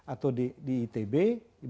atau di itb bisa di itb